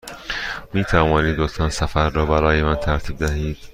می توانید لطفاً سفر را برای من ترتیب دهید؟